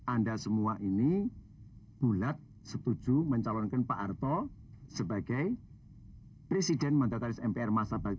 anda semua ini bulat setuju mencalonkan pak soeharto sebagai presiden mandataris mpr masa berarti seribu sembilan ratus sembilan puluh delapan dua ribu tiga